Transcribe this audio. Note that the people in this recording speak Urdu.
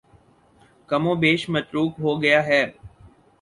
کم و بیش متروک ہو گیا ہے